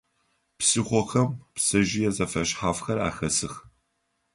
Псыхъохэм пцэжъые зэфэшъхьафхэр ахэсых.